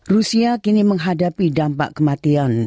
rusia kini menghadapi dampak kematian